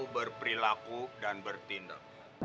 berperilaku dan bertindak